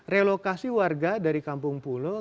relokasi warga dari kampung pulo